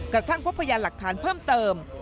กระทั่งพบพยานหลักฐานเพิ่มเติม